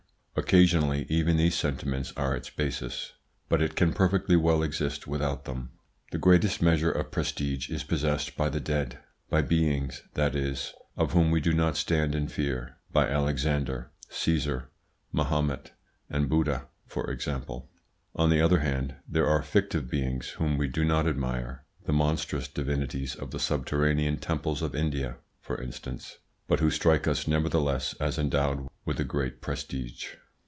Occasionally even these sentiments are its basis, but it can perfectly well exist without them. The greatest measure of prestige is possessed by the dead, by beings, that is, of whom we do not stand in fear by Alexander, Caesar, Mahomet, and Buddha, for example. On the other hand, there are fictive beings whom we do not admire the monstrous divinities of the subterranean temples of India, for instance but who strike us nevertheless as endowed with a great prestige.